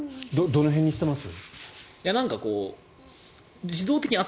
どの辺にしてます？